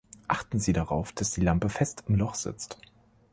Achten Sie darauf, dass die Lampe fest im Loch sitzt.